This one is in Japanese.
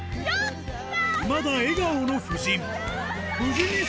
まだ笑顔の夫人